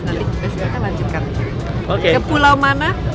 nanti kita lanjutkan ke pulau mana